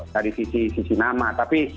dari sisi nama tapi